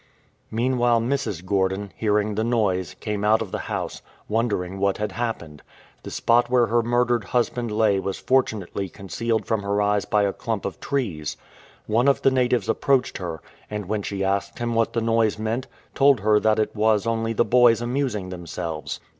Meanwhile Mrs. Gordon, hearing the noise, came out of the house, wondering what had happened. The spot where her murdered husband lay was fortunately concealed 328 MR. PATON THREATENED from her eyes by a clump of trees. One of the natives approached her, and when she asked him what the noise meant, told her that it was only the boys amusing them selves.